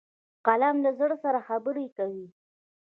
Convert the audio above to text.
قلم له زړه سره خبرې کوي